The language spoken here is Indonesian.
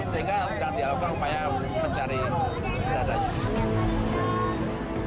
sehingga sedang diafokan upaya mencari diri